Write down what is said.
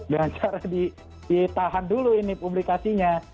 dan cara ditahan dulu ini publikasinya